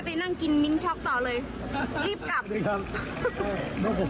ผู้หน้าเชื่อถัดอย่างอะไรไหม